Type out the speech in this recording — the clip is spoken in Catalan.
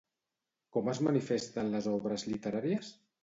Com es manifesta en les obres literàries?